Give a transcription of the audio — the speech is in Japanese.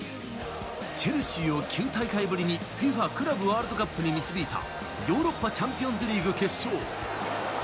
チェルシーを９大会ぶりにＦＩＦＡクラブワールドカップに導いたヨーロッパチャンピオンズリーグ決勝。